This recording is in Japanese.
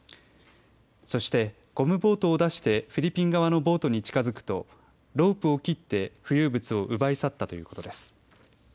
そしてゴムボートを出してフィリピン側のボートに近づくとロープを切って浮遊物を奪い去ったということです。